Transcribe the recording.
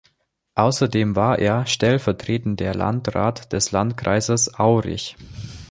Außerdem war er stellvertretender Landrat des Landkreises Aurich.